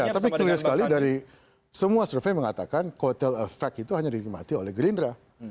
tapi clear sekali dari semua survei mengatakan kotel efek itu hanya dinikmati oleh gerindra